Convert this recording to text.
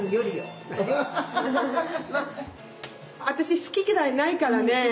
私好き嫌いないからね。